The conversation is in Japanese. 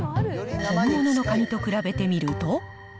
本物とカニと比べてみると。